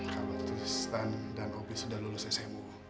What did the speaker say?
kalau turistan dan opi sudah lulus smu